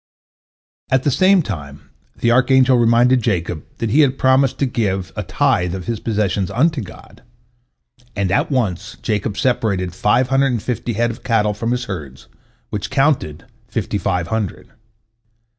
" At the same time the archangel reminded Jacob that he had promised to give a tithe of his possessions unto God, and at once Jacob separated five hundred and fifty head of cattle from his herds, which counted fifty five hundred.